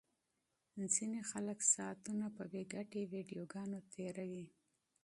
ځینې خلک ساعتونه په بې ګټې ویډیوګانو تیروي.